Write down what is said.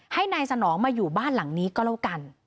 ให้นายสนองมาอยู่บ้านหลังนี้ก็แล้วกัน